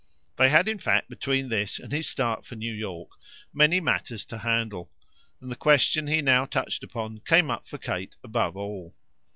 They had in fact between this and his start for New York many matters to handle, and the question he now touched upon came up for Kate above all.